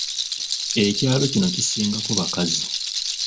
Ekyalo kino kisingako bakazi!